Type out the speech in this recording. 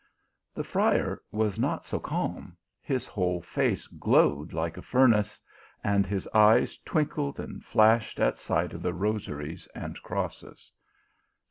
The friar was not so calm; his whole face glowed like a furnace, and his eyes twinkled and flashed at sight of the rosaries and crosses.